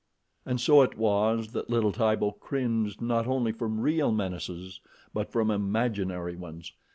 And so it was that little Tibo cringed not only from real menaces but from imaginary ones.